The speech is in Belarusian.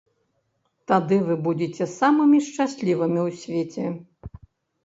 Тады вы будзеце самымі шчаслівымі ў свеце!